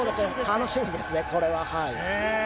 楽しみですね、これは。